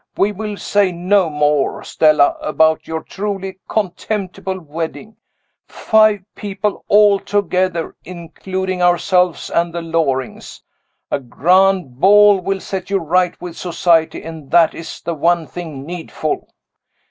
We will say no more, Stella, about your truly contemptible wedding five people altogether, including ourselves and the Lorings. A grand ball will set you right with society, and that is the one thing needful.